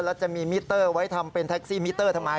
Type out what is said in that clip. แล้วจะมีมิเตอร์ไว้ทำเป็นแท็กซี่มิเตอร์ทำไม